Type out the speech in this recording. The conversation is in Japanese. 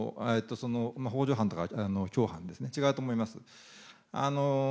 ほう助犯とか、共犯ですね、違うと思います。